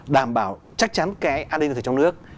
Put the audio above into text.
đảm bảo chắc chắn cái an ninh trong nước